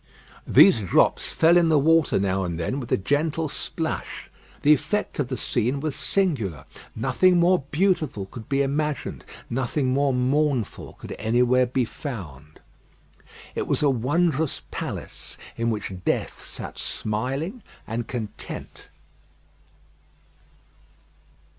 These drops fell in the water now and then with a gentle splash. The effect of the scene was singular. Nothing more beautiful could be imagined; nothing more mournful could anywhere be found. It was a wondrous palace, in which death sat smiling and content.